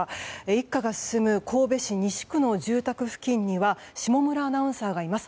一家が住む神戸市西区の住宅付近には下村アナウンサーがいます。